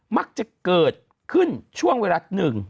มักจะเกิดขึ้นช่วงเวลาหนึ่ง